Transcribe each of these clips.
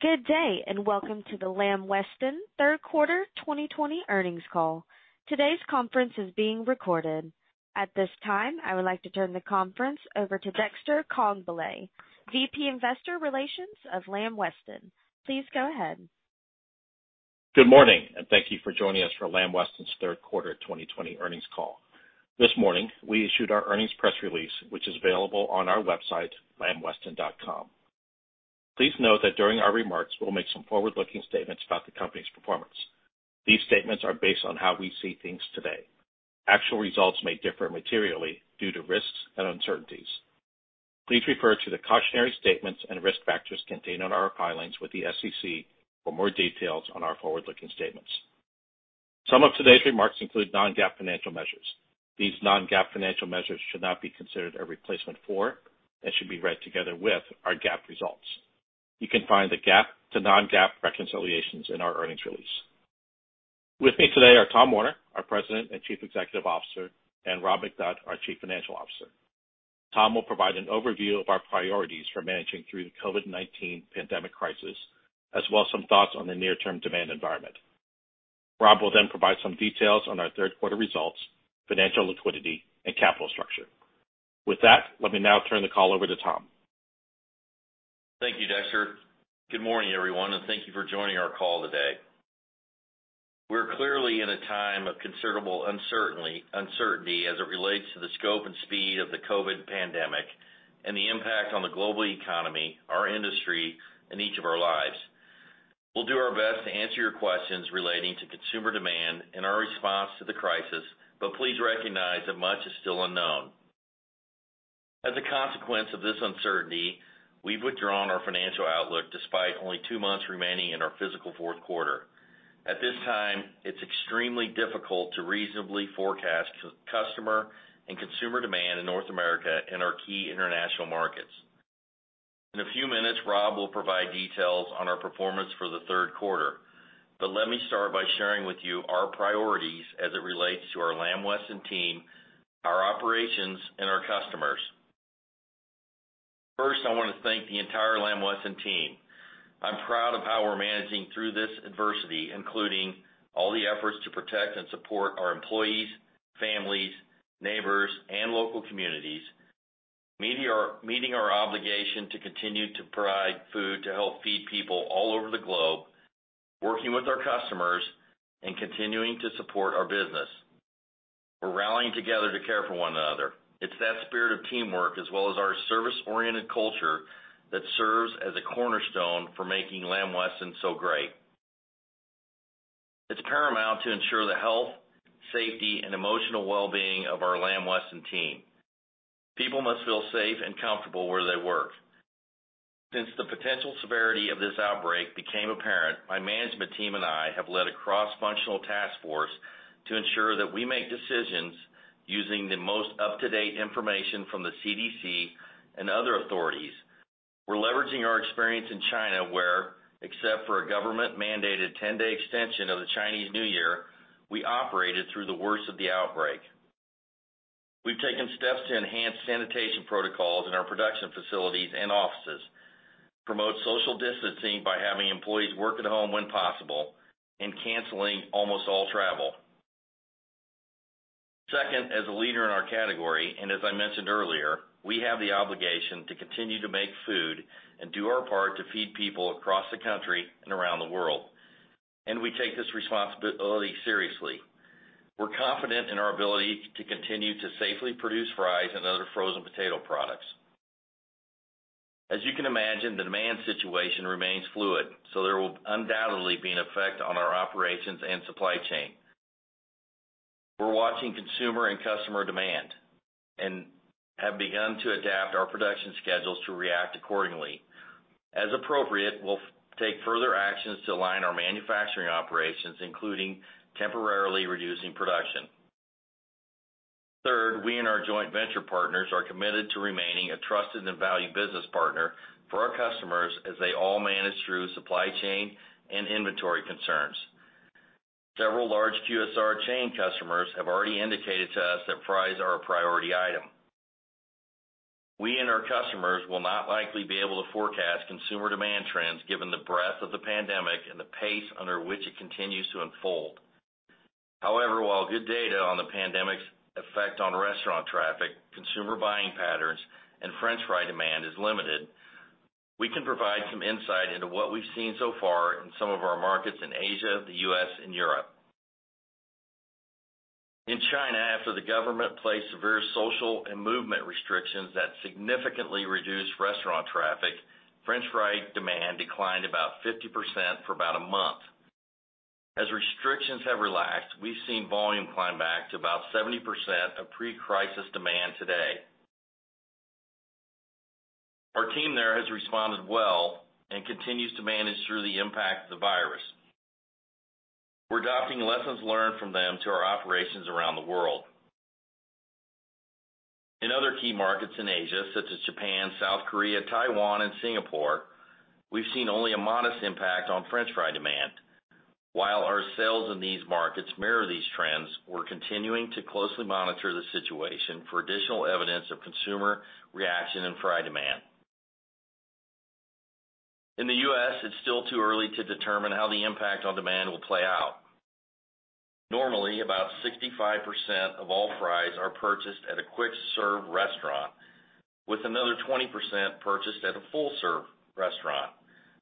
Good day, welcome to the Lamb Weston third quarter 2020 earnings call. Today's conference is being recorded. At this time, I would like to turn the conference over to Dexter Congbalay, VP Investor Relations of Lamb Weston. Please go ahead. Good morning. Thank you for joining us for Lamb Weston's third quarter 2020 earnings call. This morning, we issued our earnings press release, which is available on our website, lambweston.com. Please note that during our remarks, we'll make some forward-looking statements about the company's performance. These statements are based on how we see things today. Actual results may differ materially due to risks and uncertainties. Please refer to the cautionary statements and risk factors contained on our filings with the SEC for more details on our forward-looking statements. Some of today's remarks include non-GAAP financial measures. These non-GAAP financial measures should not be considered a replacement for and should be read together with our GAAP results. You can find the GAAP to non-GAAP reconciliations in our earnings release. With me today are Tom Werner, our President and Chief Executive Officer, and Rob McNutt, our Chief Financial Officer. Tom will provide an overview of our priorities for managing through the COVID-19 pandemic crisis, as well as some thoughts on the near-term demand environment. Rob will provide some details on our third quarter results, financial liquidity, and capital structure. With that, let me now turn the call over to Tom. Thank you, Dexter. Good morning, everyone, and thank you for joining our call today. We're clearly in a time of considerable uncertainty as it relates to the scope and speed of the COVID-19 pandemic and the impact on the global economy, our industry, and each of our lives. We'll do our best to answer your questions relating to consumer demand and our response to the crisis, but please recognize that much is still unknown. As a consequence of this uncertainty, we've withdrawn our financial outlook despite only two months remaining in our fiscal fourth quarter. At this time, it's extremely difficult to reasonably forecast customer and consumer demand in North America and our key international markets. In a few minutes, Rob will provide details on our performance for the third quarter. Let me start by sharing with you our priorities as it relates to our Lamb Weston team, our operations, and our customers. First, I want to thank the entire Lamb Weston team. I'm proud of how we're managing through this adversity, including all the efforts to protect and support our employees, families, neighbors, and local communities, meeting our obligation to continue to provide food to help feed people all over the globe, working with our customers, and continuing to support our business. We're rallying together to care for one another. It's that spirit of teamwork as well as our service-oriented culture that serves as a cornerstone for making Lamb Weston so great. It's paramount to ensure the health, safety, and emotional well-being of our Lamb Weston team. People must feel safe and comfortable where they work. Since the potential severity of this outbreak became apparent, my management team and I have led a cross-functional task force to ensure that we make decisions using the most up-to-date information from the CDC and other authorities. We're leveraging our experience in China, where, except for a government-mandated 10-day extension of the Chinese New Year, we operated through the worst of the outbreak. We've taken steps to enhance sanitation protocols in our production facilities and offices, promote social distancing by having employees work at home when possible, and canceling almost all travel. Second, as a leader in our category, and as I mentioned earlier, we have the obligation to continue to make food and do our part to feed people across the country and around the world, and we take this responsibility seriously. We're confident in our ability to continue to safely produce fries and other frozen potato products. As you can imagine, the demand situation remains fluid, so there will undoubtedly be an effect on our operations and supply chain. We're watching consumer and customer demand and have begun to adapt our production schedules to react accordingly. As appropriate, we'll take further actions to align our manufacturing operations, including temporarily reducing production. Third, we and our joint venture partners are committed to remaining a trusted and valued business partner for our customers as they all manage through supply chain and inventory concerns. Several large QSR chain customers have already indicated to us that fries are a priority item. We and our customers will not likely be able to forecast consumer demand trends given the breadth of the pandemic and the pace under which it continues to unfold. However, while good data on the pandemic's effect on restaurant traffic, consumer buying patterns, and french fry demand is limited, we can provide some insight into what we've seen so far in some of our markets in Asia, the U.S., and Europe. In China, after the government placed severe social and movement restrictions that significantly reduced restaurant traffic, french fry demand declined about 50% for about a month. As restrictions have relaxed, we've seen volume climb back to about 70% of pre-crisis demand today. Our team there has responded well and continues to manage through the impact of the virus. We're adopting lessons learned from them to our operations around the world. In other key markets in Asia, such as Japan, South Korea, Taiwan, and Singapore, we've seen only a modest impact on french fry demand. While our sales in these markets mirror these trends, we're continuing to closely monitor the situation for additional evidence of consumer reaction and fry demand. In the U.S., it's still too early to determine how the impact on demand will play out. Normally, about 65% of all fries are purchased at a quick-serve restaurant, with another 20% purchased at a full-serve restaurant.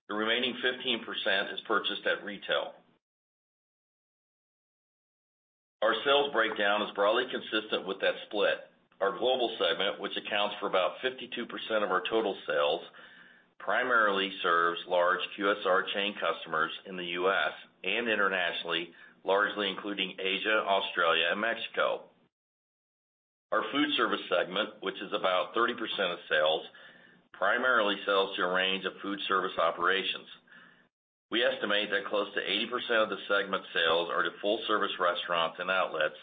The remaining 15% is purchased at retail. Our sales breakdown is broadly consistent with that split. Our global segment, which accounts for about 52% of our total sales, primarily serves large QSR chain customers in the U.S. and internationally, largely including Asia, Australia, and Mexico. Our food service segment, which is about 30% of sales, primarily sells to a range of food service operations. We estimate that close to 80% of the segment's sales are to full-service restaurants and outlets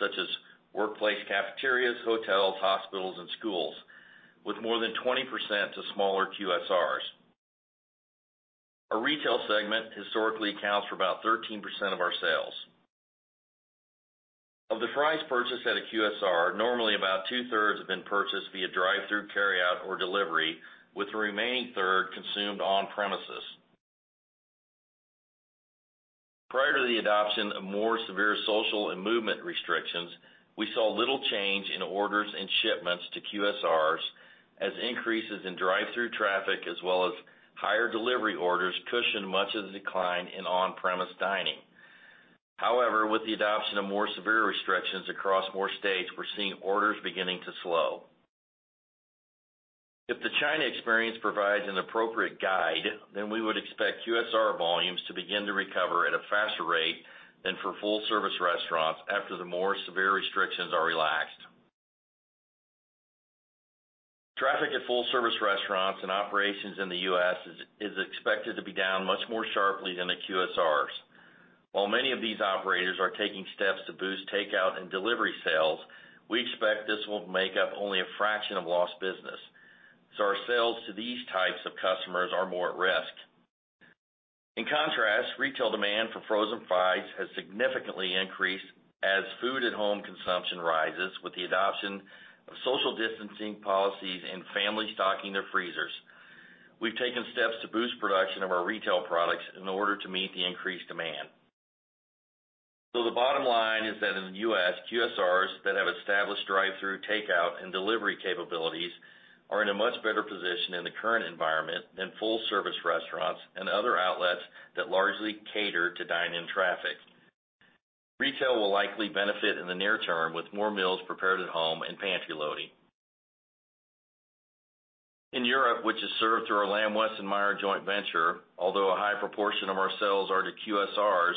such as workplace cafeterias, hotels, hospitals, and schools, with more than 20% to smaller QSRs. Our retail segment historically accounts for about 13% of our sales. Of the fries purchased at a QSR, normally about two-thirds have been purchased via drive-through, carryout, or delivery, with the remaining third consumed on premises. Prior to the adoption of more severe social and movement restrictions, we saw little change in orders and shipments to QSRs, as increases in drive-through traffic as well as higher delivery orders cushioned much of the decline in on-premise dining. With the adoption of more severe restrictions across more states, we're seeing orders beginning to slow. If the China experience provides an appropriate guide, we would expect QSR volumes to begin to recover at a faster rate than for full-service restaurants after the more severe restrictions are relaxed. Traffic at full-service restaurants and operations in the U.S. is expected to be down much more sharply than the QSRs. While many of these operators are taking steps to boost takeout and delivery sales, we expect this will make up only a fraction of lost business, our sales to these types of customers are more at risk. In contrast, retail demand for frozen fries has significantly increased as food-at-home consumption rises with the adoption of social distancing policies and families stocking their freezers. We've taken steps to boost production of our retail products in order to meet the increased demand. The bottom line is that in the U.S., QSRs that have established drive-through, takeout, and delivery capabilities are in a much better position in the current environment than full-service restaurants and other outlets that largely cater to dine-in traffic. Retail will likely benefit in the near term with more meals prepared at home and pantry loading. In Europe, which is served through our Lamb Weston / Meijer joint venture, although a high proportion of our sales are to QSRs,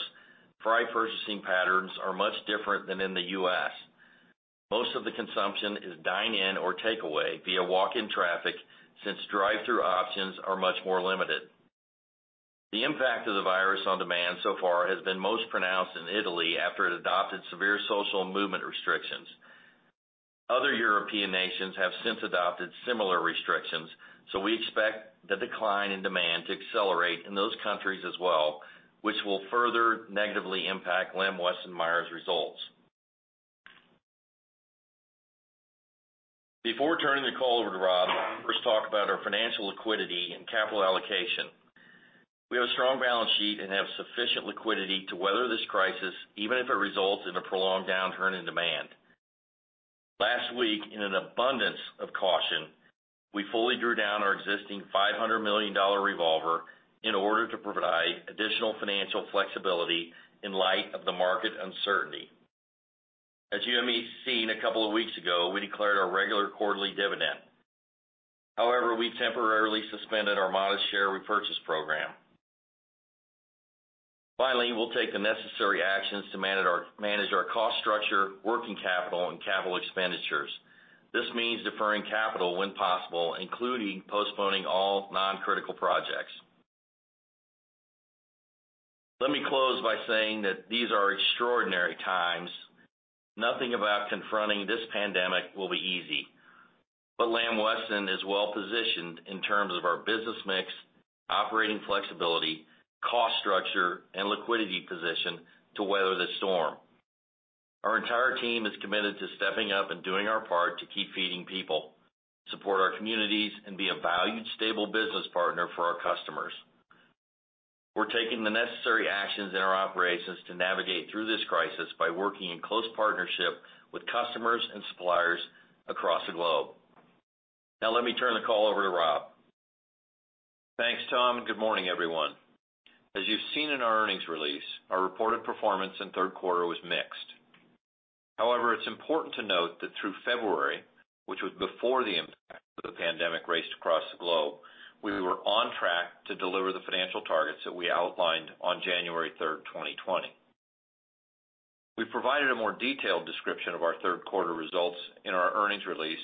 fry purchasing patterns are much different than in the U.S. Most of the consumption is dine-in or takeaway via walk-in traffic, since drive-through options are much more limited. The impact of the virus on demand so far has been most pronounced in Italy after it adopted severe social movement restrictions. Other European nations have since adopted similar restrictions, so we expect the decline in demand to accelerate in those countries as well, which will further negatively impact Lamb Weston / Meijer's results. Before turning the call over to Rob, let's talk about our financial liquidity and capital allocation. We have a strong balance sheet and have sufficient liquidity to weather this crisis, even if it results in a prolonged downturn in demand. Last week, in an abundance of caution, we fully drew down our existing $500 million revolver in order to provide additional financial flexibility in light of the market uncertainty. As you may have seen a couple of weeks ago, we declared our regular quarterly dividend. However, we temporarily suspended our modest share repurchase program. Finally, we'll take the necessary actions to manage our cost structure, working capital, and capital expenditures. This means deferring capital when possible, including postponing all non-critical projects. Let me close by saying that these are extraordinary times. Nothing about confronting this pandemic will be easy. Lamb Weston is well positioned in terms of our business mix, operating flexibility, cost structure, and liquidity position to weather the storm. Our entire team is committed to stepping up and doing our part to keep feeding people, support our communities, and be a valued, stable business partner for our customers. We're taking the necessary actions in our operations to navigate through this crisis by working in close partnership with customers and suppliers across the globe. Now, let me turn the call over to Rob. Thanks, Tom, and good morning, everyone. As you've seen in our earnings release, our reported performance in the third quarter was mixed. However, it's important to note that through February, which was before the impact of the pandemic raced across the globe, we were on track to deliver the financial targets that we outlined on January 3rd, 2020. We provided a more detailed description of our third quarter results in our earnings release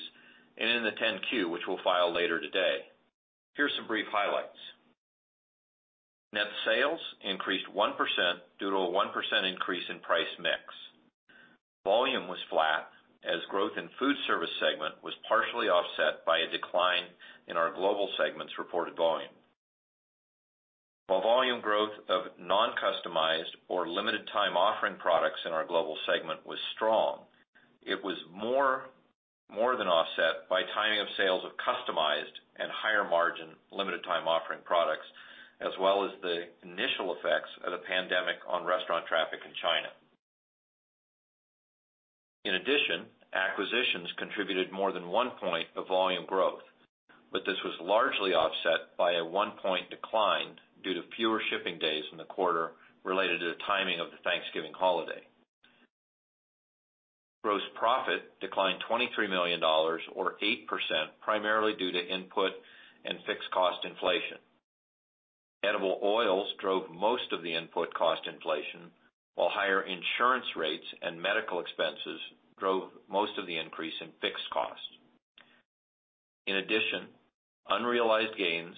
and in the 10-Q, which we'll file later today. Here's some brief highlights. Net sales increased 1% due to a 1% increase in price mix, as growth in food service segment was partially offset by a decline in our global segment's reported volume. While volume growth of non-customized or limited time offering products in our global segment was strong, it was more than offset by timing of sales of customized and higher margin limited time offering products, as well as the initial effects of the pandemic on restaurant traffic in China. In addition, acquisitions contributed more than one point of volume growth, but this was largely offset by a one-point decline due to fewer shipping days in the quarter related to the timing of the Thanksgiving holiday. Gross profit declined $23 million, or 8%, primarily due to input and fixed cost inflation. Edible oils drove most of the input cost inflation, while higher insurance rates and medical expenses drove most of the increase in fixed costs. In addition, unrealized gains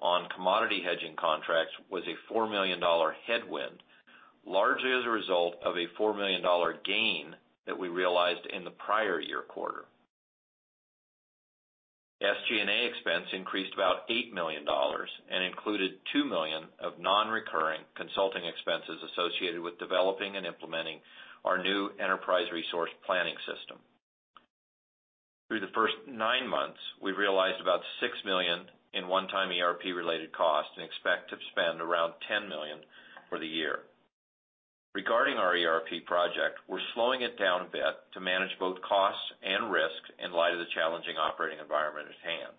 on commodity hedging contracts was a $4 million headwind, largely as a result of a $4 million gain that we realized in the prior year quarter. SG&A expense increased about $8 million and included $2 million of non-recurring consulting expenses associated with developing and implementing our new enterprise resource planning system. Through the first nine months, we've realized about $6 million in one-time ERP-related costs and expect to spend around $10 million for the year. Regarding our ERP project, we're slowing it down a bit to manage both costs and risk in light of the challenging operating environment at hand.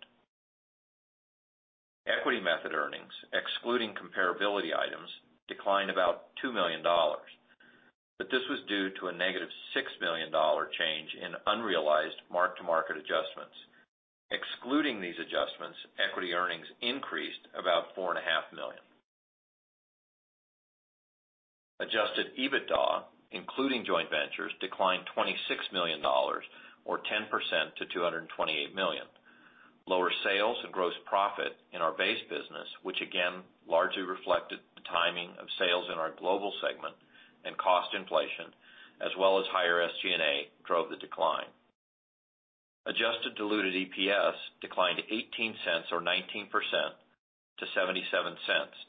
Equity method earnings, excluding comparability items, declined about $2 million. This was due to a -$6 million change in unrealized mark-to-market adjustments. Excluding these adjustments, equity earnings increased about $4.5 million. Adjusted EBITDA, including joint ventures, declined $26 million, or 10%, to $228 million. Lower sales and gross profit in our base business, which again, largely reflected the timing of sales in our global segment and cost inflation, as well as higher SG&A, drove the decline. Adjusted diluted EPS declined to $0.18 or 19% to $0.77,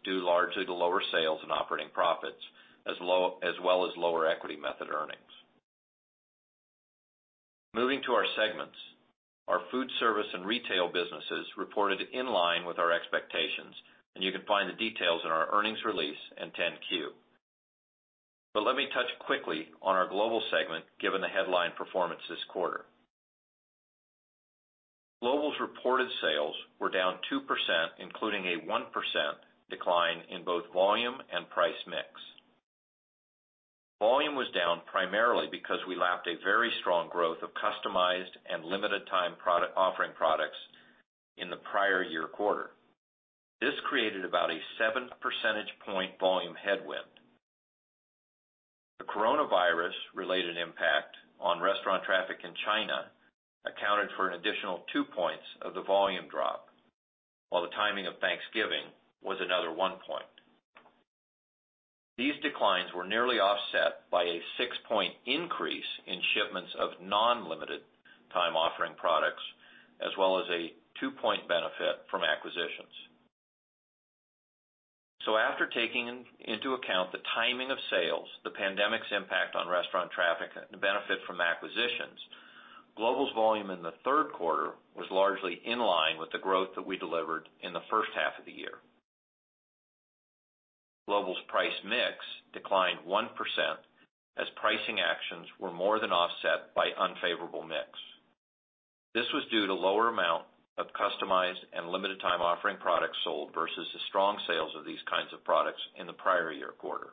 due largely to lower sales and operating profits, as well as lower equity method earnings. Moving to our segments, our food service and retail businesses reported in line with our expectations, and you can find the details in our earnings release and 10-Q. Let me touch quickly on our global segment given the headline performance this quarter. Global's reported sales were down 2%, including a 1% decline in both volume and price mix. Volume was down primarily because we lapped a very strong growth of customized and limited time offering products in the prior year quarter. This created about a seven percentage point volume headwind. The coronavirus-related impact on restaurant traffic in China accounted for an additional two points of the volume drop, while the timing of Thanksgiving was another one point. These declines were nearly offset by a six-point increase in shipments of non-limited time offering products, as well as a two-point benefit from acquisitions. After taking into account the timing of sales, the pandemic's impact on restaurant traffic, and the benefit from acquisitions, Global's volume in the third quarter was largely in line with the growth that we delivered in the first half of the year. Global's price mix declined 1% as pricing actions were more than offset by unfavorable mix. This was due to lower amount of customized and limited time offering products sold versus the strong sales of these kinds of products in the prior year quarter,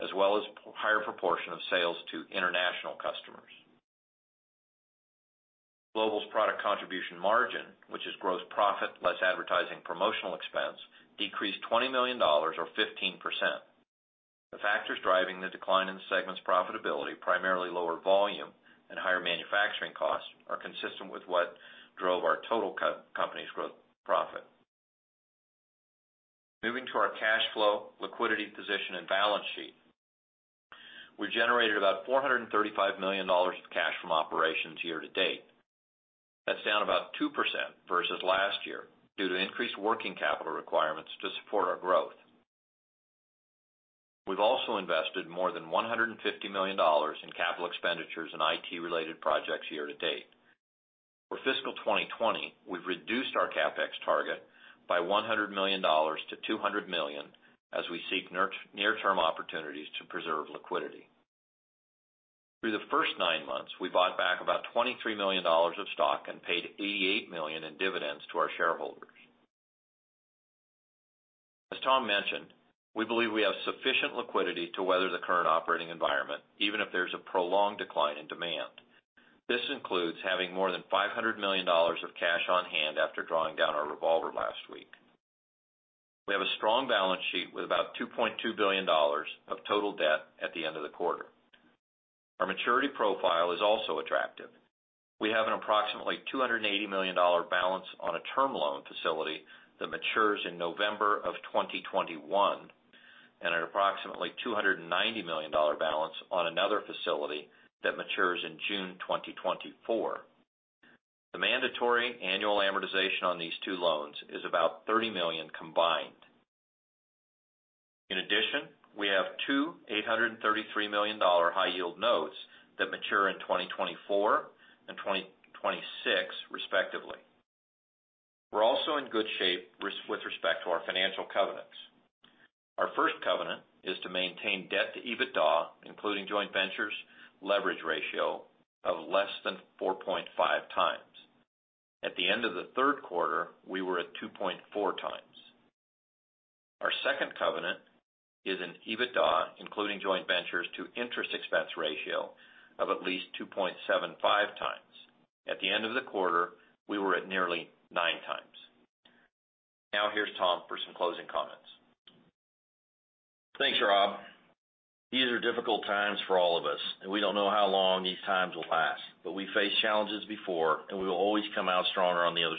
as well as higher proportion of sales to international customers. Global's product contribution margin, which is gross profit less advertising promotional expense, decreased $20 million or 15%. The factors driving the decline in the segment's profitability, primarily lower volume and higher manufacturing costs, are consistent with what drove our total company's gross profit. Moving to our cash flow, liquidity position, and balance sheet. We generated about $435 million of cash from operations year to date. That's down about 2% versus last year due to increased working capital requirements to support our growth. We've also invested more than $150 million in capital expenditures and IT-related projects year-to-date. For fiscal 2020, we've reduced our CapEx target by $100 million-$200 million as we seek near-term opportunities to preserve liquidity. Through the first nine months, we bought back about $23 million of stock and paid $88 million in dividends to our shareholders. As Tom mentioned, we believe we have sufficient liquidity to weather the current operating environment, even if there's a prolonged decline in demand. This includes having more than $500 million of cash on hand after drawing down our revolver last week. We have a strong balance sheet with about $2.2 billion of total debt at the end of the quarter. Our maturity profile is also attractive. We have an approximately $280 million balance on a term loan facility that matures in November of 2021. At approximately $290 million balance on another facility that matures in June 2024. The mandatory annual amortization on these two loans is about $30 million combined. In addition, we have two $833 million high-yield notes that mature in 2024 and 2026 respectively. We're also in good shape with respect to our financial covenants. Our first covenant is to maintain debt to EBITDA, including joint ventures leverage ratio of less than 4.5x. At the end of the third quarter, we were at 2.4x. Our second covenant is an EBITDA, including joint ventures to interest expense ratio of at least 2.75x. At the end of the quarter, we were at nearly 9x. Here's Tom for some closing comments. Thanks, Rob. These are difficult times for all of us, and we don't know how long these times will last. We've faced challenges before, and we will always come out stronger on the other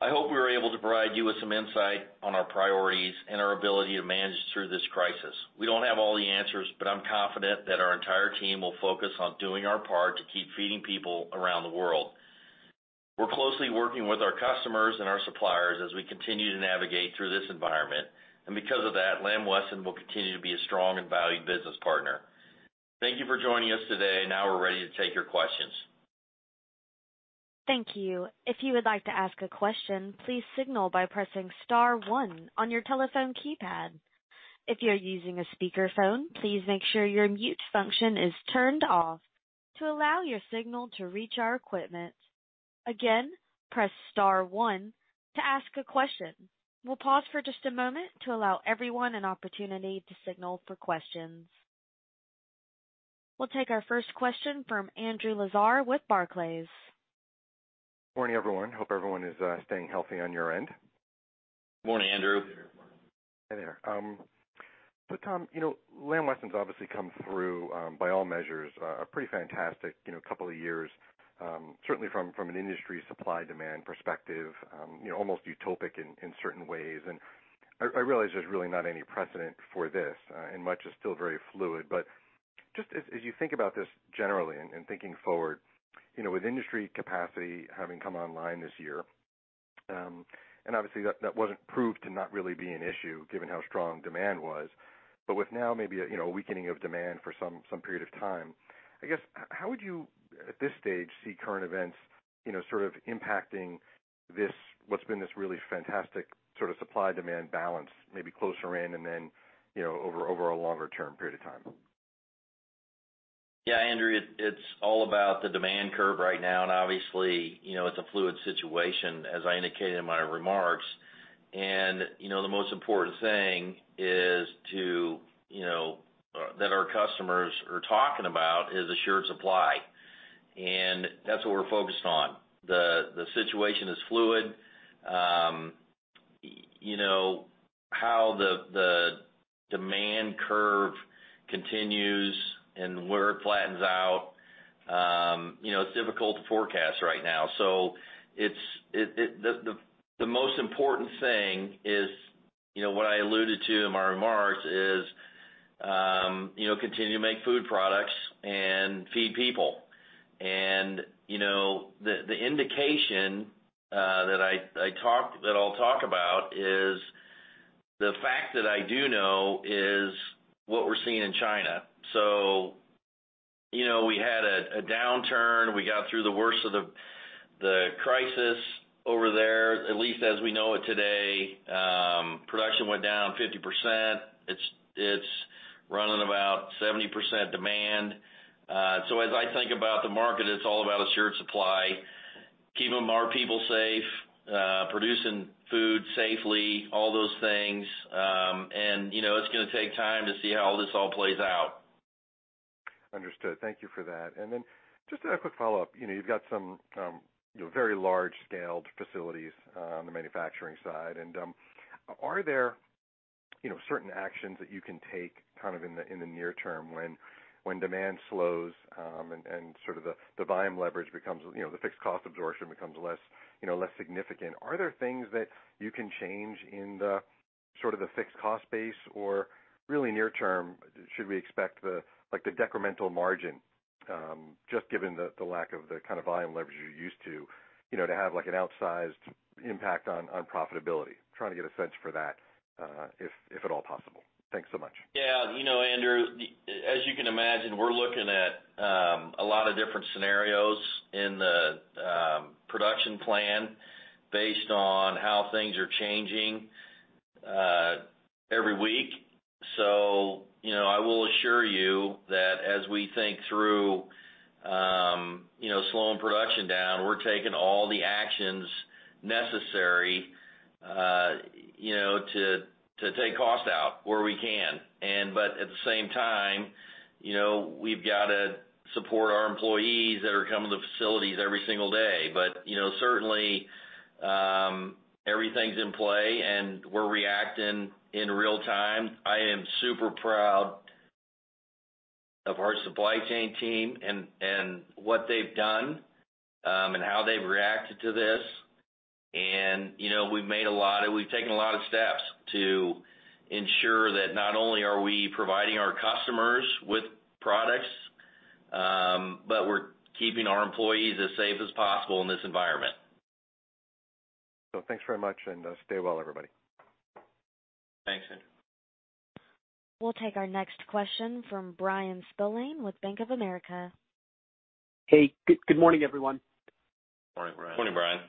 side. I hope we were able to provide you with some insight on our priorities and our ability to manage through this crisis. We don't have all the answers, but I'm confident that our entire team will focus on doing our part to keep feeding people around the world. We're closely working with our customers and our suppliers as we continue to navigate through this environment. Because of that, Lamb Weston will continue to be a strong and valued business partner. Thank you for joining us today. Now we're ready to take your questions. Thank you. If you would like to ask a question, please signal by pressing star one on your telephone keypad. If you're using a speakerphone, please make sure your mute function is turned off to allow your signal to reach our equipment. Again, press star one to ask a question. We'll pause for just a moment to allow everyone an opportunity to signal for questions. We'll take our first question from Andrew Lazar with Barclays. Morning, everyone. Hope everyone is staying healthy on your end. Morning, Andrew. Hi there. Tom, Lamb Weston's obviously come through, by all measures, a pretty fantastic couple of years, certainly from an industry supply-demand perspective almost utopic in certain ways. I realize there's really not any precedent for this, and much is still very fluid. Just as you think about this generally and thinking forward, with industry capacity having come online this year, obviously that wasn't proved to not really be an issue, given how strong demand was. With now maybe a weakening of demand for some period of time, I guess, how would you, at this stage, see current events sort of impacting what's been this really fantastic sort of supply-demand balance, maybe closer in and then over a longer-term period of time? Yeah, Andrew, it's all about the demand curve right now, and obviously, it's a fluid situation, as I indicated in my remarks. The most important thing that our customers are talking about is assured supply. That's what we're focused on. The situation is fluid. How the demand curve continues and where it flattens out it's difficult to forecast right now. The most important thing is what I alluded to in my remarks is continue to make food products and feed people. The indication that I'll talk about is the fact that I do know is what we're seeing in China. We had a downturn. We got through the worst of the crisis over there, at least as we know it today. Production went down 50%. It's running about 70% demand. As I think about the market, it's all about assured supply, keeping our people safe, producing food safely, all those things. It's going to take time to see how all this all plays out. Understood. Thank you for that. Just a quick follow-up. You've got some very large-scaled facilities on the manufacturing side. Are there certain actions that you can take kind of in the near term when demand slows and sort of the fixed cost absorption becomes less significant? Are there things that you can change in the sort of the fixed cost base? Really near-term, should we expect the decremental margin, just given the lack of the kind of volume leverage you're used to have an outsized impact on profitability? Trying to get a sense for that if at all possible. Thanks so much. Yeah. Andrew, as you can imagine, we're looking at a lot of different scenarios in the production plan based on how things are changing every week. I will assure you that as we think through slowing production down, we're taking all the actions necessary to take cost out where we can. At the same time, we've got to support our employees that are coming to facilities every single day. Certainly, everything's in play and we're reacting in real time. I am super proud. Of our supply chain team and what they've done, and how they've reacted to this. We've taken a lot of steps to ensure that not only are we providing our customers with products, but we're keeping our employees as safe as possible in this environment. Thanks very much, and stay well, everybody. Thanks, Andrew. We'll take our next question from Bryan Spillane with Bank of America. Hey, good morning, everyone. Morning, Bryan. Morning, Bryan.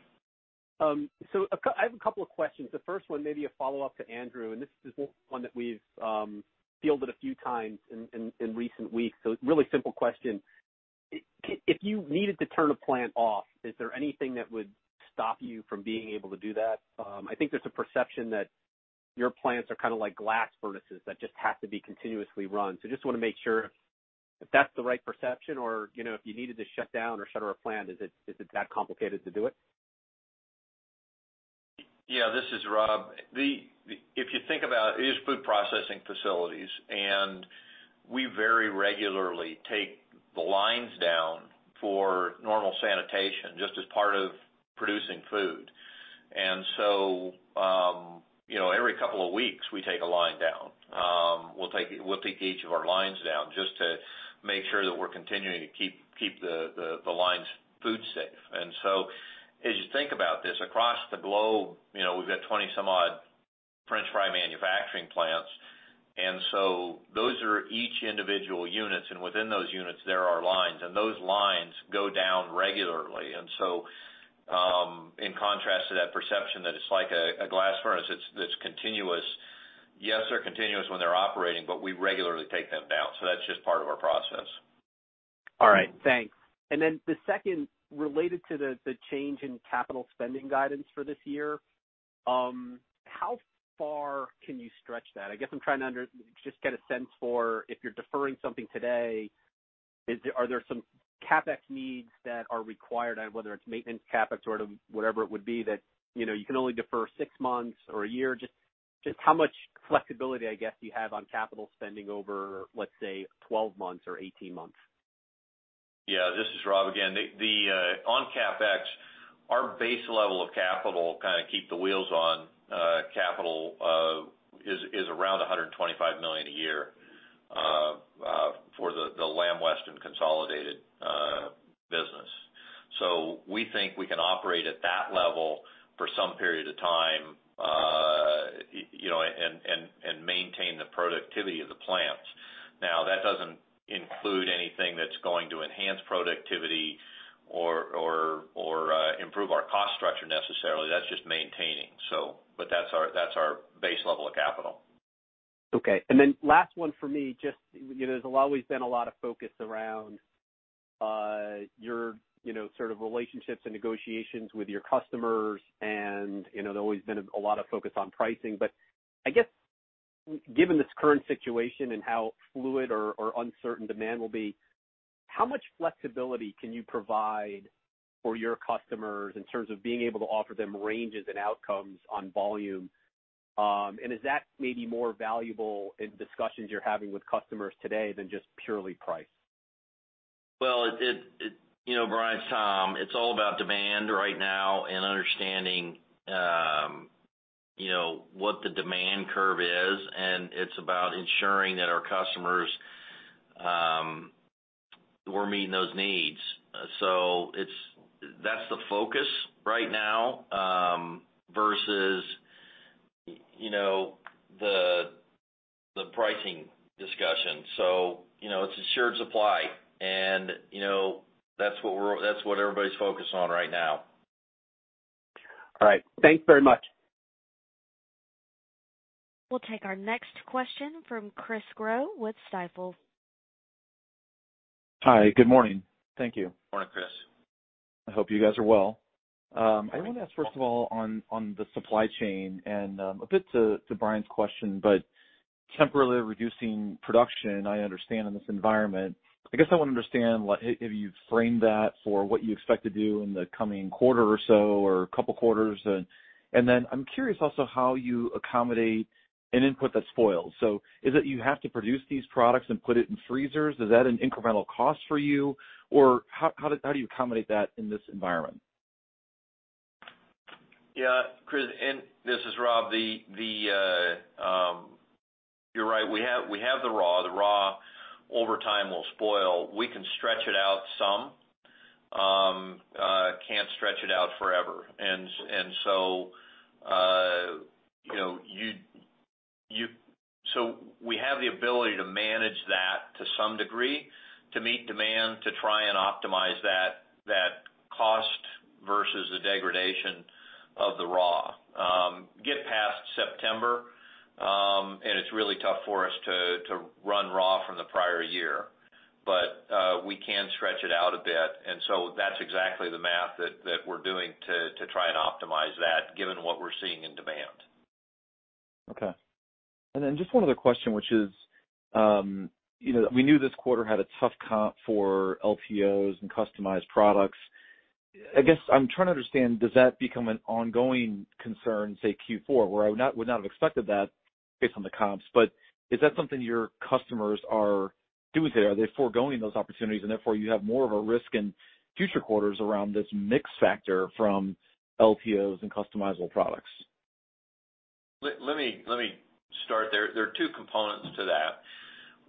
I have a couple of questions. The first one may be a follow-up to Andrew, this is one that we've fielded a few times in recent weeks. Really simple question. If you needed to turn a plant off, is there anything that would stop you from being able to do that? I think there's a perception that your plants are kind of like glass furnaces that just have to be continuously run. Just want to make sure if that's the right perception or, if you needed to shut down or shut our plant, is it that complicated to do it? Yeah, this is Rob. If you think about it is food processing facilities, and we very regularly take the lines down for normal sanitation, just as part of producing food. Every couple of weeks, we take a line down. We'll take each of our lines down just to make sure that we're continuing to keep the lines food safe. As you think about this, across the globe, we've got 20 some odd French fry manufacturing plants. Those are each individual units, and within those units, there are lines, and those lines go down regularly. In contrast to that perception that it's like a glass furnace that's continuous, yes, they're continuous when they're operating, but we regularly take them down. That's just part of our process. All right. Thanks. The second, related to the change in capital spending guidance for this year, how far can you stretch that? I guess I'm trying to just get a sense for if you're deferring something today, are there some CapEx needs that are required, whether it's maintenance, CapEx, or whatever it would be that you can only defer six months or a year? Just how much flexibility, I guess, do you have on capital spending over, let's say, 12 months or 18 months? Yeah, this is Rob again. On CapEx, our base level of capital, kind of keep the wheels on capital, is around $125 million a year for the Lamb Weston consolidated business. We think we can operate at that level for some period of time and maintain the productivity of the plants. Now, that doesn't include anything that's going to enhance productivity or improve our cost structure necessarily. That's just maintaining. That's our base level of capital. Okay. Last one for me, just there's always been a lot of focus around your sort of relationships and negotiations with your customers and there's always been a lot of focus on pricing. I guess, given this current situation and how fluid or uncertain demand will be, how much flexibility can you provide for your customers in terms of being able to offer them ranges and outcomes on volume? Is that maybe more valuable in discussions you're having with customers today than just purely price? Well, Bryan, it's all about demand right now and understanding what the demand curve is. It's about ensuring that our customers, we're meeting those needs. That's the focus right now, versus the pricing discussion. It's assured supply, and that's what everybody's focused on right now. All right. Thanks very much. We'll take our next question from Chris Growe with Stifel. Hi, good morning. Thank you. Morning, Chris. I hope you guys are well. I want to ask, first of all, on the supply chain and a bit to Bryan's question, temporarily reducing production, I understand, in this environment. I guess I want to understand if you frame that for what you expect to do in the coming quarter or so, or a couple of quarters. I'm curious also how you accommodate an input that spoils. Is it you have to produce these products and put it in freezers? Is that an incremental cost for you? How do you accommodate that in this environment? Yeah. Chris, this is Rob. You're right. We have the raw. The raw over time will spoil. We can stretch it out some. Can't stretch it out forever. We have the ability to manage that to some degree, to meet demand, to try and optimize that cost versus the degradation of the raw. Get past September, it's really tough for us to run raw from the prior year. We can stretch it out a bit, that's exactly the math that we're doing to try and optimize that given what we're seeing in demand. Okay. Just one other question, which is, we knew this quarter had a tough comp for LTOs and customized products. I guess I'm trying to understand, does that become an ongoing concern, say, Q4? Where I would not have expected that based on the comps, but is that something your customers are doing today? Are they foregoing those opportunities, and therefore you have more of a risk in future quarters around this mix factor from LTOs and customizable products? Let me start there. There are two components to that.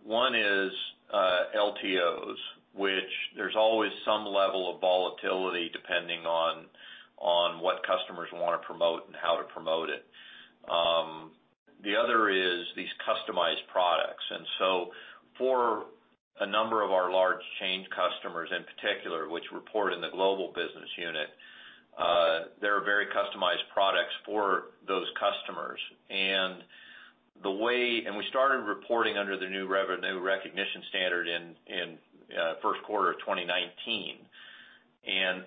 One is LTOs, which there's always some level of volatility depending on what customers want to promote and how to promote it. The other is these customized products. For a number of our large chain customers, in particular, which report in the global business unit, there are very customized products for those customers. We started reporting under the new revenue recognition standard in first quarter of 2019.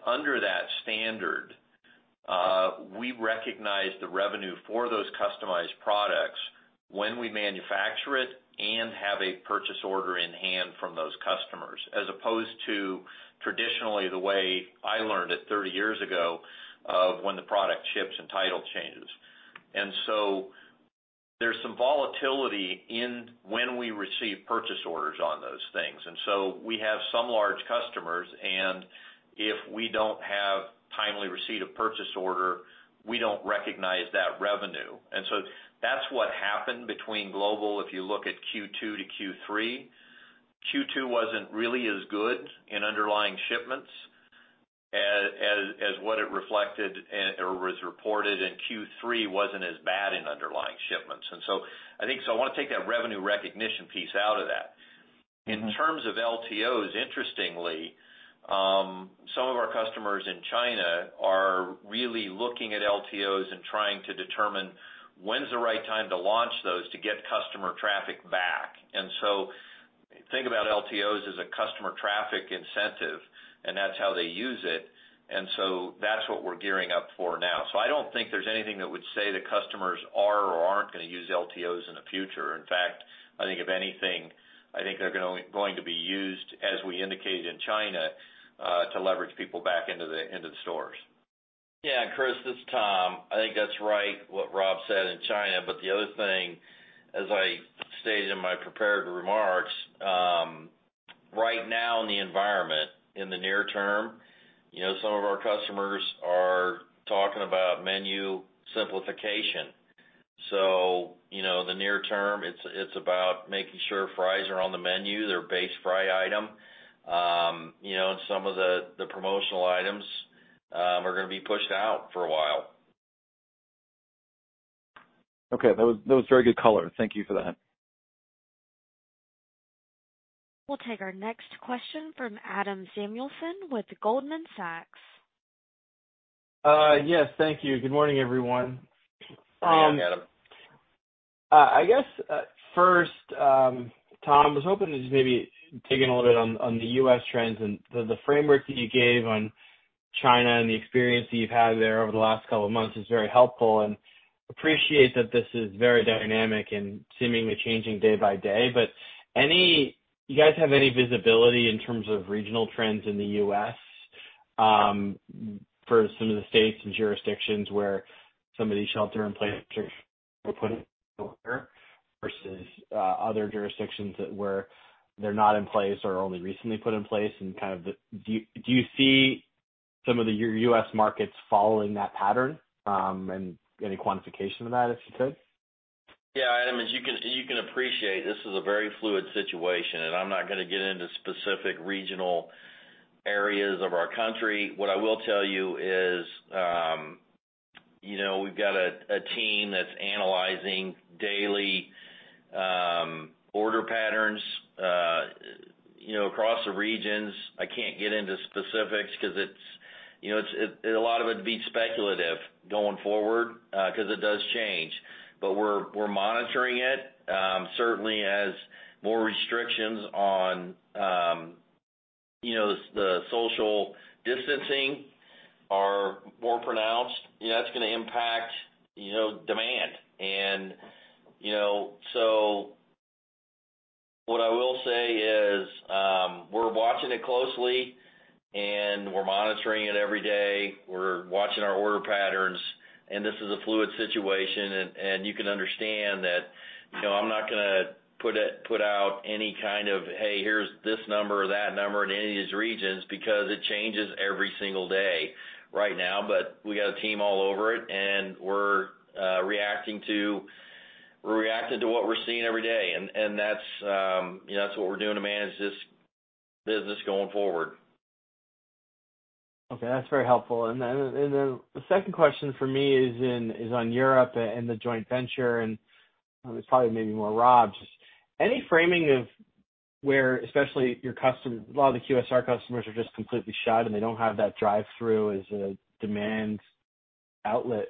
Under that standard, we recognize the revenue for those customized products when we manufacture it and have a purchase order in hand from those customers, as opposed to traditionally the way I learned it 30 years ago, of when the product ships and title changes. There's some volatility in when we receive purchase orders on those things. We have some large customers, and if we don't have timely receipt of purchase order, we don't recognize that revenue. That's what happened between global, if you look at Q2 to Q3. Q2 wasn't really as good in underlying shipments as what it reflected or was reported, and Q3 wasn't as bad in underlying shipments. I want to take that revenue recognition piece out of that. In terms of LTOs, interestingly, some of our customers in China are really looking at LTOs and trying to determine when's the right time to launch those to get customer traffic back. Think about LTOs as a customer traffic incentive, and that's how they use it. That's what we're gearing up for now. I don't think there's anything that would say that customers are or aren't going to use LTOs in the future. In fact, I think if anything, I think they're going to be used, as we indicated in China, to leverage people back into the stores. Chris, this is Tom. I think that's right, what Rob said in China. The other thing, as I stated in my prepared remarks, right now in the environment, in the near-term, some of our customers are talking about menu simplification. The near-term, it's about making sure fries are on the menu, their base fry item. Some of the promotional items are going to be pushed out for a while. Okay. That was very good color. Thank you for that. We'll take our next question from Adam Samuelson with Goldman Sachs. Yes. Thank you. Good morning, everyone. Good morning, Adam. I guess, first, Tom, I was hoping to just maybe piggyback a little bit on the U.S. trends and the framework that you gave on China and the experience that you've had there over the last couple of months is very helpful, and appreciate that this is very dynamic and seemingly changing day by day. Do you guys have any visibility in terms of regional trends in the U.S. for some of the states and jurisdictions where some of these shelter in place orders were put in order versus other jurisdictions that were not in place or only recently put in place and kind of do you see some of the U.S. markets following that pattern? Any quantification of that, if you could? Yeah, Adam, as you can appreciate, this is a very fluid situation. I'm not going to get into specific regional areas of our country. What I will tell you is, we've got a team that's analyzing daily order patterns across the regions. I can't get into specifics because a lot of it'd be speculative going forward, because it does change. We're monitoring it. Certainly as more restrictions on the social distancing are more pronounced, that's gonna impact demand. What I will say is, we're watching it closely. We're monitoring it every day. We're watching our order patterns. This is a fluid situation. You can understand that I'm not gonna put out any kind of, "Hey, here's this number or that number in any of these regions," because it changes every single day right now. We got a team all over it, and we're reacting to what we're seeing every day. That's what we're doing to manage this business going forward. Okay. That's very helpful. Then the second question from me is on Europe and the joint venture, and it's probably maybe more Rob's. Any framing of where, especially a lot of the QSR customers are just completely shut, and they don't have that drive-thru as a demand outlet.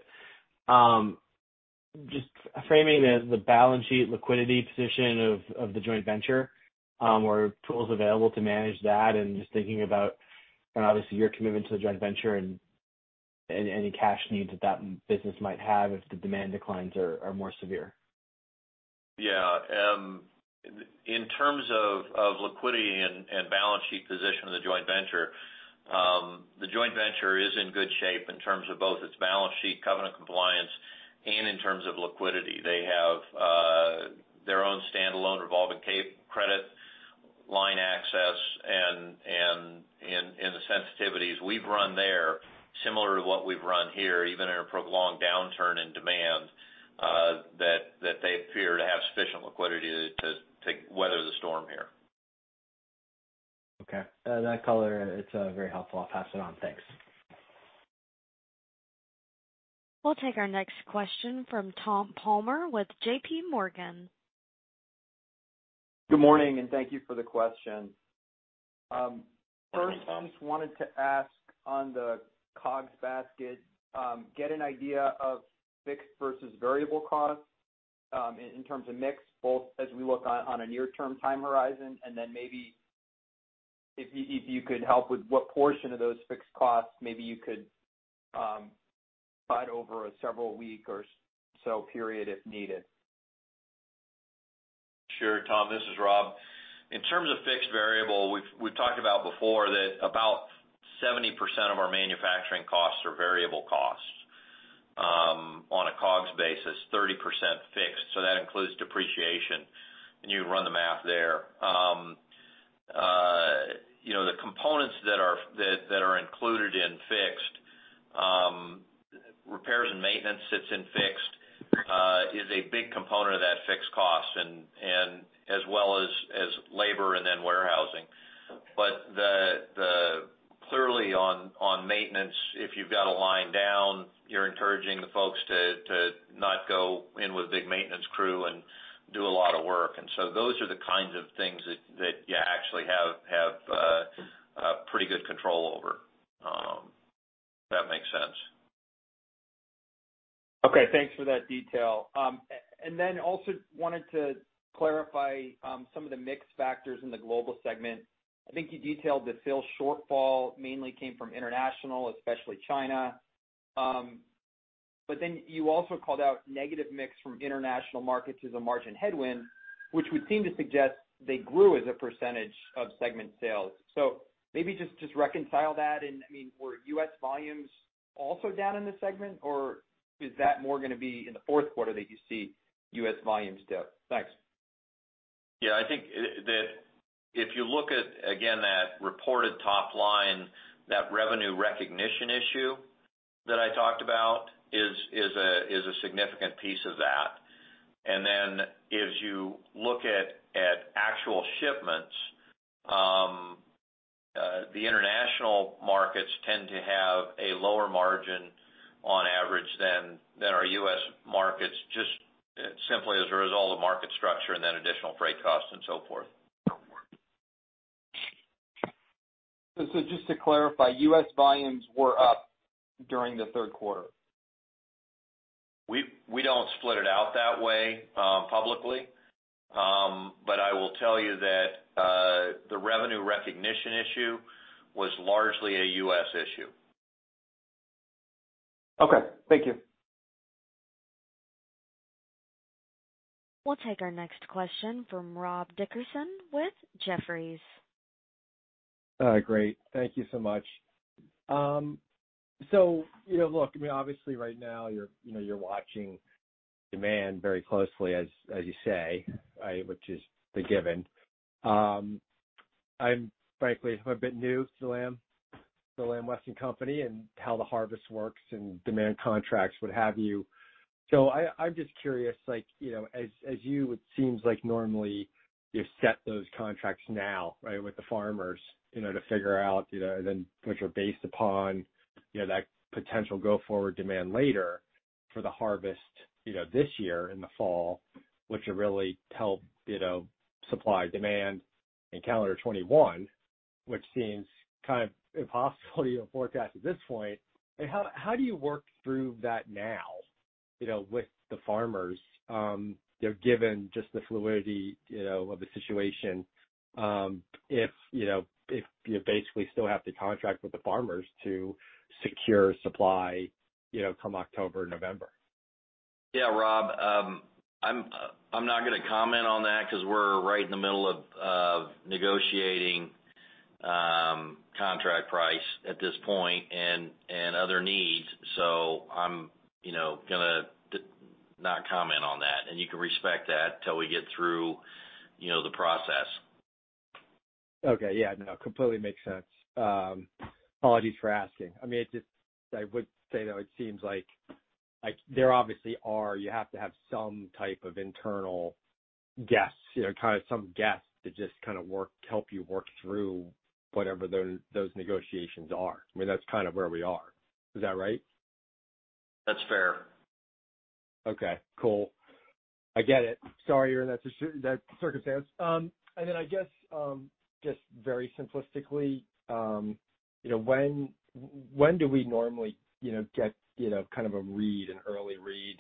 Just framing the balance sheet liquidity position of the joint venture, or tools available to manage that, and just thinking about, obviously, your commitment to the joint venture and any cash needs that that business might have if the demand declines are more severe. Yeah. In terms of liquidity and balance sheet position of the joint venture, the joint venture is in good shape in terms of both its balance sheet covenant compliance and in terms of liquidity. They have their own standalone revolving credit line access and the sensitivities we've run there, similar to what we've run here, even in a prolonged downturn in demand, that they appear to have sufficient liquidity to weather the storm here. Okay. That color, it's very helpful. I'll pass it on. Thanks. We'll take our next question from Thomas Palmer with JPMorgan. Good morning, and thank you for the question. Thanks, Tom. I just wanted to ask on the COGS basket, get an idea of fixed versus variable costs in terms of mix, both as we look on a near-term time horizon, and then maybe if you could help with what portion of those fixed costs maybe you could provide over a several week or so period if needed. Sure, Tom. This is Rob. In terms of fixed variable, we've talked about before that about 70% of our manufacturing costs are variable costs. On a COGS basis, 30% fixed. That includes depreciation. You run the math there. The components that are included in fixed, repairs and maintenance sits in fixed, is a big component of that fixed cost and as well as labor and then warehousing. Clearly on maintenance, if you've got a line down, you're encouraging the folks to not go in with a big maintenance crew and do a lot of work. Those are the kinds of things that you actually have pretty good control over. If that makes sense. Okay. Thanks for that detail. Also wanted to clarify some of the mix factors in the global segment. I think you detailed that sales shortfall mainly came from international, especially China. You also called out negative mix from international markets as a margin headwind, which would seem to suggest they grew as a percentage of segment sales. Maybe just reconcile that and, I mean, were U.S. volumes also down in the segment, or is that more going to be in the fourth quarter that you see U.S. volumes dip? Thanks. Yeah, I think that if you look at, again, that reported top line, that revenue recognition issue that I talked about is a significant piece of that. As you look at actual shipments, the international markets tend to have a lower margin on average than our U.S. markets, just simply as a result of market structure and then additional freight costs and so forth. Just to clarify, U.S. volumes were up during the third quarter? We don't split it out that way publicly. I will tell you that the revenue recognition issue was largely a U.S. issue. Okay. Thank you. We'll take our next question from Rob Dickerson with Jefferies. Great. Thank you so much. Look, I mean, obviously right now you're watching demand very closely as you say, which is a given. I'm frankly a bit new to Lamb Weston company and how the harvest works and demand contracts, what have you. I'm just curious, as you, it seems like normally you set those contracts now with the farmers to figure out, which are based upon that potential go forward demand later for the harvest this year in the fall, which will really help supply-demand in calendar 2021, which seems kind of impossible to forecast at this point. How do you work through that now with the farmers? Given just the fluidity of the situation, if you basically still have to contract with the farmers to secure supply come October, November. Yeah, Rob, I'm not going to comment on that because we're right in the middle of negotiating contract price at this point and other needs. I'm going to not comment on that, and you can respect that till we get through the process. Okay. Yeah, no, completely makes sense. Apologies for asking. I mean, I would say, though, it seems like there obviously are, you have to have some type of internal guess, kind of some guess to just kind of help you work through whatever those negotiations are. I mean, that's kind of where we are. Is that right? That's fair. Okay, cool. I get it. Sorry you're in that circumstance. I guess just very simplistically when do we normally get kind of a read, an early read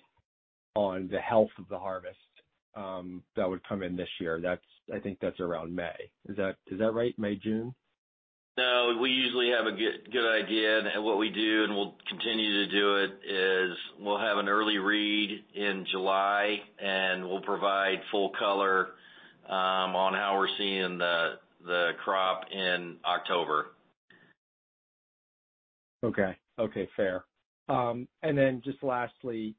on the health of the harvest that would come in this year? I think that's around May. Is that right? May, June? No, we usually have a good idea and what we do, and we'll continue to do it is we'll have an early read in July, and we'll provide full color on how we're seeing the crop in October. Okay. Fair. Just lastly,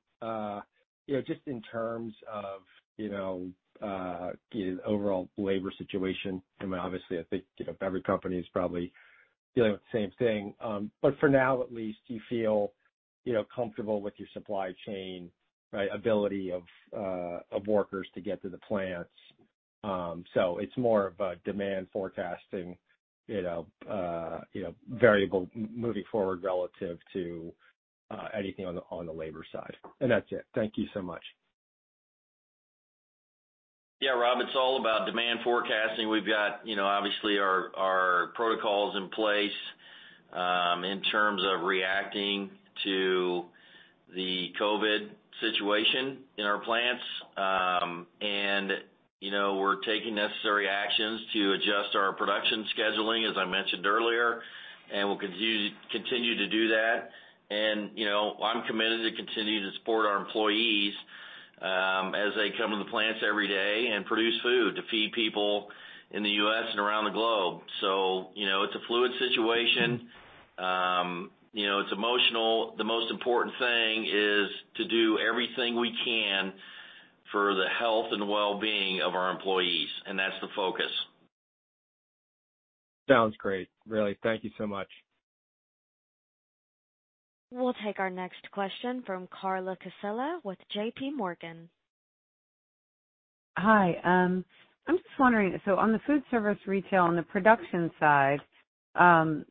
just in terms of the overall labor situation, obviously, I think every company is probably dealing with the same thing. For now at least, do you feel comfortable with your supply chain ability of workers to get to the plants? It's more of a demand forecasting variable moving forward relative to anything on the labor side. That's it. Thank you so much. Rob, it's all about demand forecasting. We've got, obviously, our protocols in place in terms of reacting to the COVID-19 situation in our plants. We're taking necessary actions to adjust our production scheduling, as I mentioned earlier, and we'll continue to do that. I'm committed to continue to support our employees as they come to the plants every day and produce food to feed people in the U.S. and around the globe. It's a fluid situation. It's emotional. The most important thing is to do everything we can for the health and well-being of our employees, and that's the focus. Sounds great. Really, thank you so much. We'll take our next question from Carla Casella with JPMorgan. Hi. I'm just wondering, on the food service retail, on the production side, how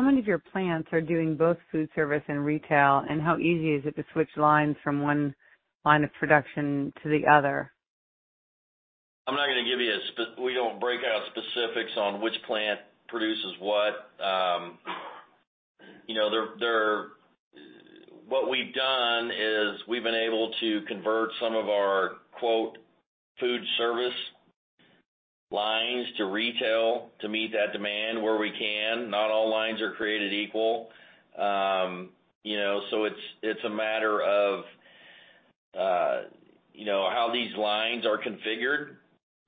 many of your plants are doing both food service and retail, and how easy is it to switch lines from one line of production to the other? I'm not going to give you. We don't break out specifics on which plant produces what. What we've done is we've been able to convert some of our, quote, "food service lines" to retail to meet that demand where we can. Not all lines are created equal. It's a matter of how these lines are configured.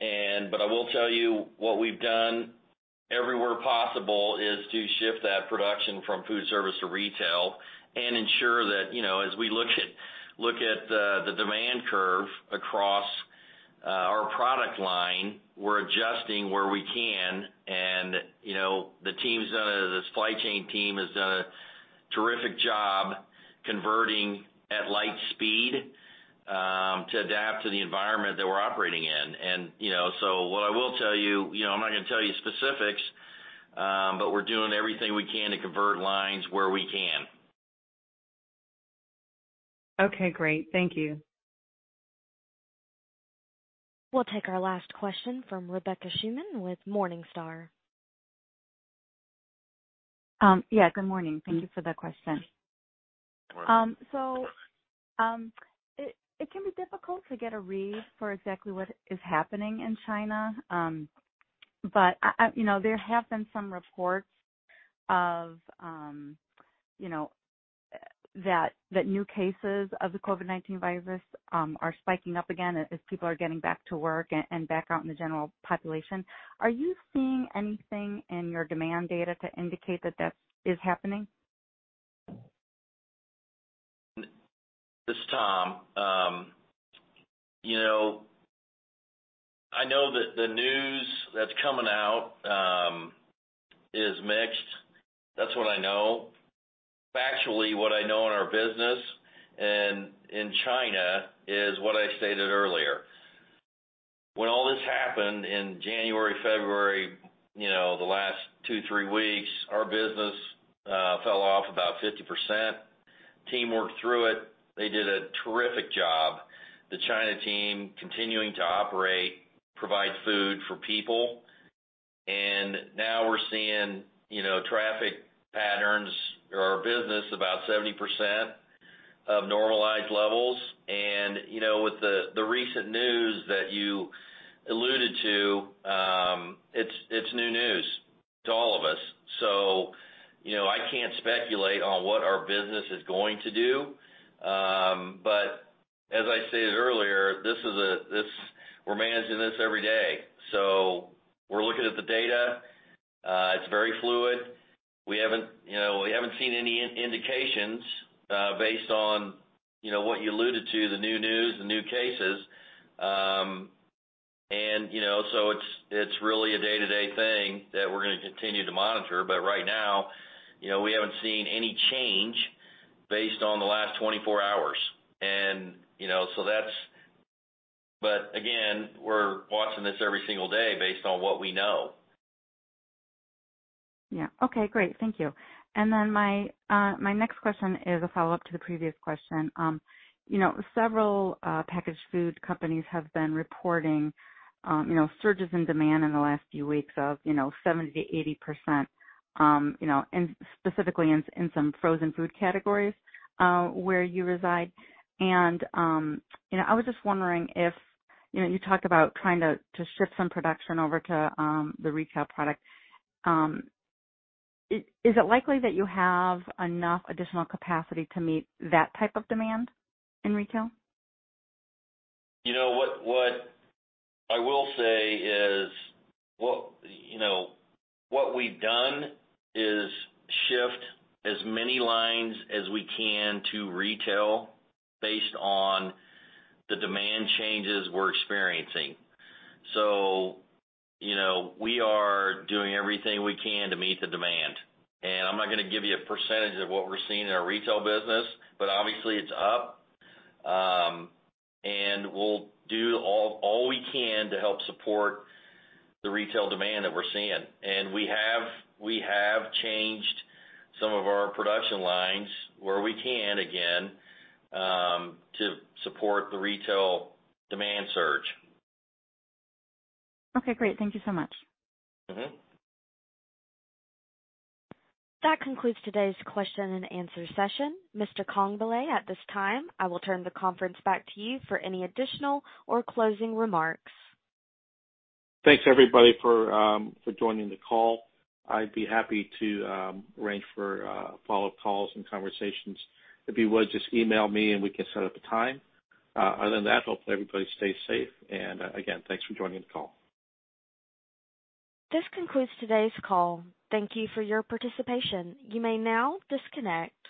I will tell you what we've done everywhere possible is to shift that production from food service to retail and ensure that as we look at the demand curve across our product line, we're adjusting where we can. The supply chain team has done a terrific job converting at light speed to adapt to the environment that we're operating in. What I will tell you, I'm not going to tell you specifics, but we're doing everything we can to convert lines where we can. Okay, great. Thank you. We'll take our last question from Rebecca Scheuneman with Morningstar. Yeah, good morning. Thank you for the question. Morning. It can be difficult to get a read for exactly what is happening in China. There have been some reports that new cases of the COVID-19 virus are spiking up again as people are getting back to work and back out in the general population. Are you seeing anything in your demand data to indicate that that is happening? This is Tom. I know that the news that's coming out is mixed. That's what I know. Factually, what I know in our business and in China is what I stated earlier. When all this happened in January, February, the last two, three weeks, our business fell off about 50%. Team worked through it. They did a terrific job. The China team continuing to operate, provide food for people. Now we're seeing traffic patterns or business about 70% of normalized levels. With the recent news that you alluded to, it's new news to all of us. I can't speculate on what our business is going to do. As I stated earlier, we're managing this every day. We're looking at the data. It's very fluid. We haven't seen any indications based on what you alluded to, the new news, the new cases. It's really a day-to-day thing that we're going to continue to monitor, but right now, we haven't seen any change based on the last 24 hours. Again, we're watching this every single day based on what we know. Yeah. Okay, great. Thank you. My next question is a follow-up to the previous question. Several packaged food companies have been reporting surges in demand in the last few weeks of 70%-80%, specifically in some frozen food categories where you reside. I was just wondering if, you talked about trying to ship some production over to the retail product. Is it likely that you have enough additional capacity to meet that type of demand in retail? What I will say is what we've done is shift as many lines as we can to retail based on the demand changes we're experiencing. We are doing everything we can to meet the demand. I'm not going to give you a percentage of what we're seeing in our retail business, but obviously it's up. We'll do all we can to help support the retail demand that we're seeing. We have changed some of our production lines where we can, again, to support the retail demand surge. Okay, great. Thank you so much. That concludes today's question-and-answer session. Mr. Dexter Congbalay, at this time, I will turn the conference back to you for any additional or closing remarks. Thanks everybody for joining the call. I'd be happy to arrange for follow-up calls and conversations. If you would, just email me and we can set up a time. Other than that, hopefully everybody stays safe. Again, thanks for joining the call. This concludes today's call. Thank you for your participation. You may now disconnect.